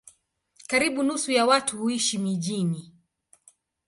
Karibu nusu ya watu huishi mijini.